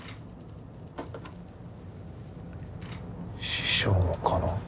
師匠のかな？